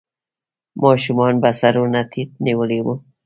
ماشومانو به سرونه ټيټ نيولې وو.